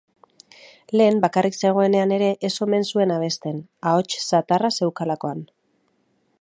Lehen, bakarrik zegoenean ere ez omen zuen abesten, ahots zatarra zuelakoan.